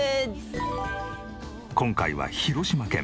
今回は広島県。